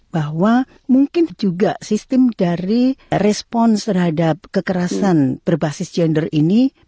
bahwa mungkin juga sistem dari respons terhadap kekerasan berbasis gender ini